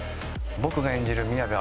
僕が演じる宮部